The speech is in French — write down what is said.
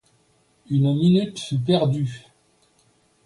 Une minute fut perdue.